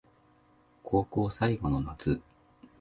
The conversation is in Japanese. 高校最後の夏